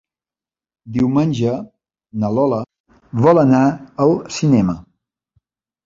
Diumenge na Lola vol anar al cinema.